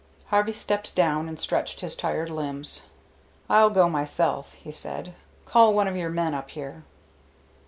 Harvey stepped down and stretched his tired limbs. "I'll go myself," he said. "Call one of your men up here."